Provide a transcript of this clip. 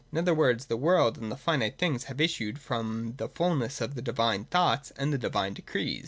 In other words, the world and finite things have issued from the fulness of the divine thoughts and the divine decrees.